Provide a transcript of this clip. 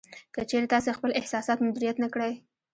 که چېرې تاسې خپل احساسات مدیریت نه کړئ